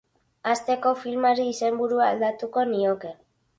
Hasteko, filmari izenburua aldatuko nioke.